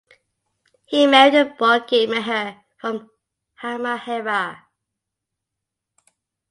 He married Boki Mihir from Halmahera.